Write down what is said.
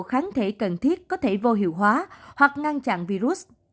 kháng thể cần thiết có thể vô hiệu hóa hoặc ngăn chặn virus